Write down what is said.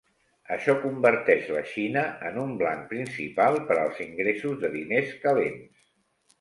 Això converteix la Xina en un blanc principal per als ingressos de diners calents.